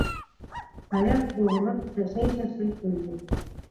- Саяф быуылып, сәсәй-сәсэй көлдө.